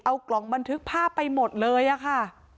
เอากล่องบันทึกภาพไปหมดเลยอะค่ะ